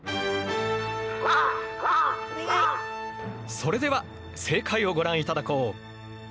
それでは正解をご覧いただこう。